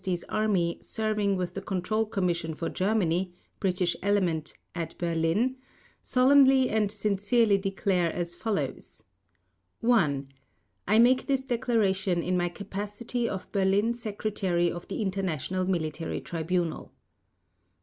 Army serving with the Control Commission for Germany (British Element) at Berlin, solemnly and sincerely declare as follows— 1. I make this Declaration in my capacity of Berlin Secretary of the International Military Tribunal.